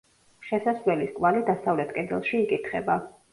შესასვლელის კვალი დასავლეთ კედელში იკითხება.